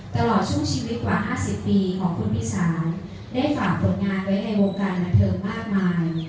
ตลอดช่วงชีวิตกว่า๕๐ปีของคุณพิสารได้ฝากผลงานไว้ในวงการบันเทิงมากมาย